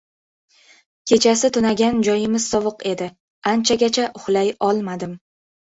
Kechasi tunagan joyimiz sovuq edi. Anchagacha uxlay olmadim.